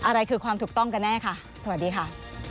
อะไรคือความถูกต้องกันแน่ค่ะสวัสดีค่ะ